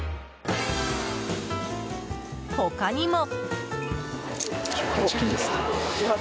他にも。